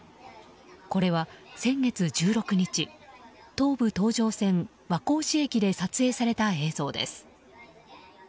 これは先月１６日東武東上線和光市駅で撮影された映像です。